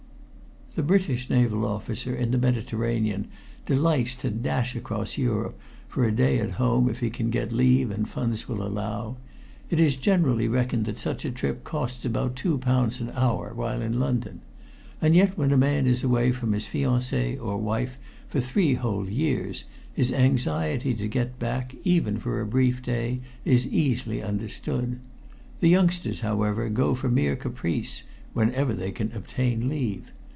The British naval officer in the Mediterranean delights to dash across Europe for a day at home if he can get leave and funds will allow. It is generally reckoned that such a trip costs about two pounds an hour while in London. And yet when a man is away from his fiancée or wife for three whole years, his anxiety to get back, even for a brief day, is easily understood. The youngsters, however, go for mere caprice whenever they can obtain leave.